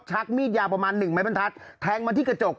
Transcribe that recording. ชักมีดยาวประมาณหนึ่งไม้บรรทัศน์แทงมาที่กระจก